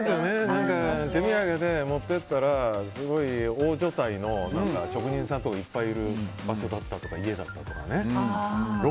何か、手土産で持って行ったらすごい大所帯の職人さんとかいっぱいいる家だったとかね。